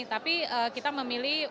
tapi kita memilih